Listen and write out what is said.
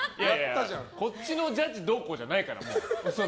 こっちのジャッジどうこうじゃないから。